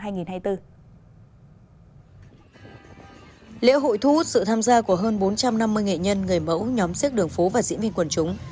lễ hội thu hút sự tham gia của hơn bốn trăm năm mươi nghệ nhân người mẫu nhóm xếp đường phố và diễn viên quần chúng